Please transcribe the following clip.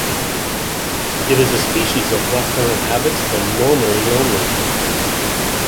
It is a species of nocturnal habits and normally lonely.